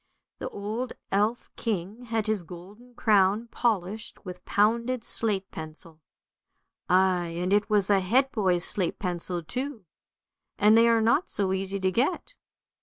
The old elf king had his golden crown polished with pounded slate pencil, ay, and it was a head boy's slate pencil too, and they are not so easy to get.